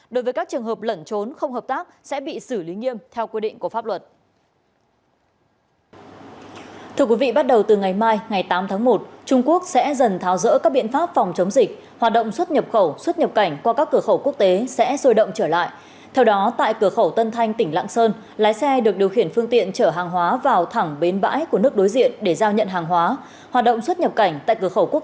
đối với các trường hợp lẩn trốn không hợp tác sẽ bị xử lý nghiêm theo quy định của pháp luật